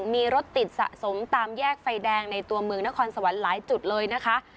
มีรถติดสะสมตามแยกไฟแดงในตัวเมืองนครสวรรค์หลายจุดเลยนะคะ